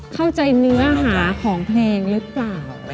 เข้าใจเนื้อหาของเพลงรึเปล่า